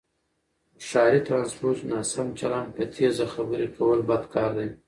په ښاری ټرانسپورټ کې ناسم چلند، په تیزه خبرې کول بد کاردی